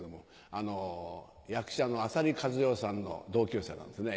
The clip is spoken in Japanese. あの役者の浅利香津代さんの同級生なんですね。